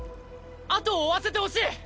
後を追わせてほしい！